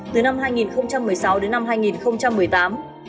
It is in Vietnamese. từ năm hai nghìn một mươi sáu đến năm hai nghìn một mươi tám